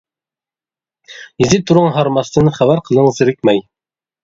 يېزىپ تۇرۇڭ ھارماستىن، خەۋەر قىلىڭ زېرىكمەي!